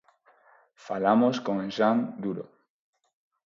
Falamos con Xan Duro.